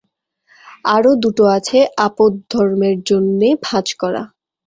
আরও দুটো আছে আপদ্ধর্মের জন্যে ভাঁজ করা।